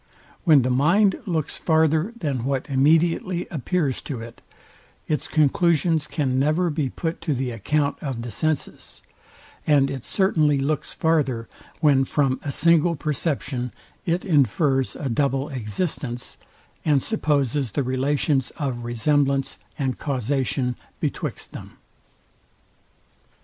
When the mind looks farther than what immediately appears to it, its conclusions can never be put to the account of the senses; and it certainly looks farther, when from a single perception it infers a double existence, and supposes the relations of resemblance and causation betwixt them.